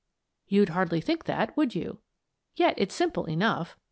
You'd hardly think that, would you? Yet it's simple enough.